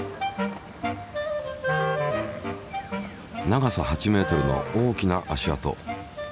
長さ８ｍの大きな足跡。